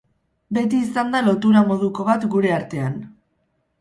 Beti izan da lotura moduko bat gure artean.